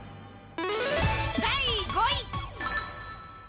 第５位。